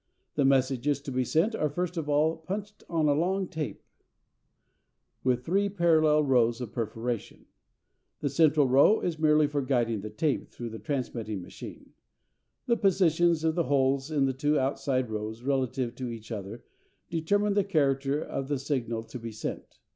The messages to be sent are first of all punched on a long tape with three parallel rows of perforations. The central row is merely for guiding the tape through the transmitting machine. The positions of the holes in the two outside rows relatively to each other determine the character of the signal to be sent.